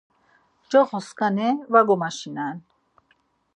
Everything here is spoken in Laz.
Yoxo-skani var gomaşinen.